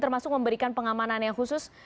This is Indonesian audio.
termasuk memberikan pengamanan yang khusus